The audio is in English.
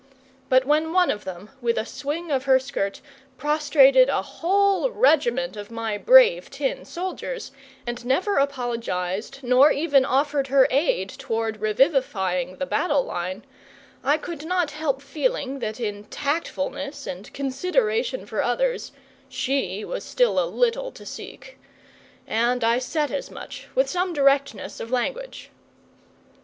But when one of them, with a swing of her skirt, prostrated a whole regiment of my brave tin soldiers, and never apologized nor even offered her aid toward revivifying the battle line, I could not help feeling that in tactfulness and consideration for others she was still a little to seek. And I said as much, with some directness of language.